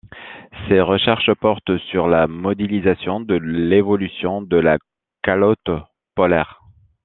Ses recherches portent sur la modélisation de l'évolution de la calotte polaire.